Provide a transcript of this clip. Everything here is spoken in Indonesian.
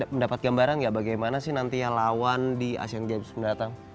mendapat gambaran nggak bagaimana sih nantinya lawan di asean games mendatang